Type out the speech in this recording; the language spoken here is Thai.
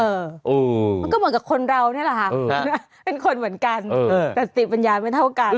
มันก็เหมือนกับคนเรานี่แหละค่ะเป็นคนเหมือนกันแต่สติปัญญาไม่เท่ากัน